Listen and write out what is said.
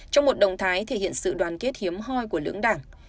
trong một động thái thể hiện sự đoàn kết hiếm hoi của lưỡng đảng